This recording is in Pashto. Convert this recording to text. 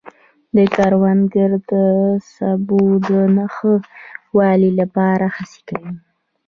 کروندګر د سبو د ښه والي لپاره هڅې کوي